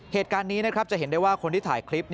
เหตุการณ์นี้นะครับจะเห็นได้ว่าคนที่ถ่ายคลิป